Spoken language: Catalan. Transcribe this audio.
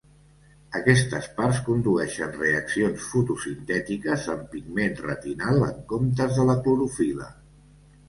Aquestes parts condueixen reaccions fotosintètiques amb pigment retinal en comptes de la clorofil·la.